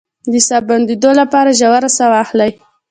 د ساه د بندیدو لپاره ژوره ساه واخلئ